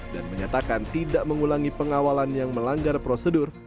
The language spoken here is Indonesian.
dan menyatakan tidak mengulangi pengawalan yang melanggar prosedur